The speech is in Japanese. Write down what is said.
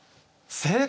正解！